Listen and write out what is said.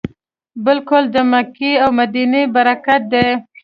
بلکې د مکې او مدینې برکت دی.